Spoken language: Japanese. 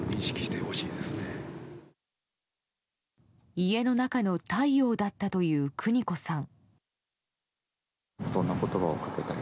家の中の太陽だったという邦子さん。